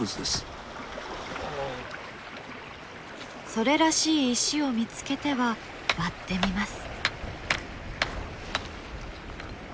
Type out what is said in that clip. それらしい石を見つけては割ってみます。